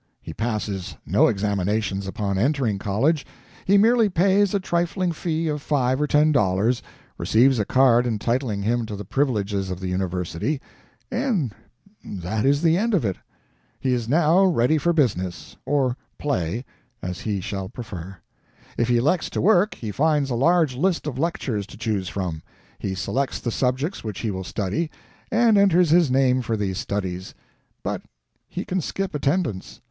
He passes no examinations upon entering college. He merely pays a trifling fee of five or ten dollars, receives a card entitling him to the privileges of the university, and that is the end of it. He is now ready for business or play, as he shall prefer. If he elects to work, he finds a large list of lectures to choose from. He selects the subjects which he will study, and enters his name for these studies; but he can skip attendance.